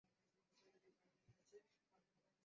এই বাঘ মালয়েশিয়ার জাতীয় পশু।